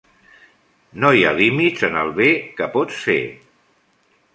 No hi ha límits en el bé que pots fer.